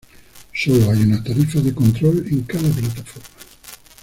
Sólo hay una tarifa de control en cada plataforma.